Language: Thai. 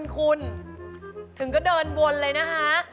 คุณถึงก็เดินวนเลยนะคะ